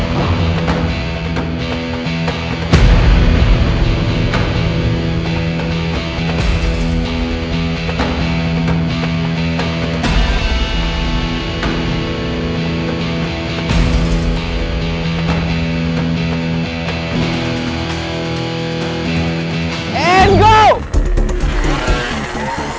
gak usah tegang